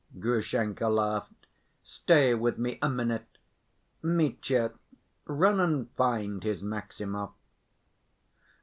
Grushenka laughed. "Stay with me a minute. Mitya, run and find his Maximov."